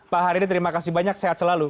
pak haryadi terima kasih banyak sehat selalu